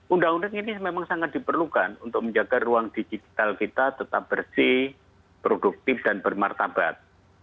undang undang ini memang sangat diperlukan untuk menjaga ruang digital kita tetap bersih produktif dan bermartabat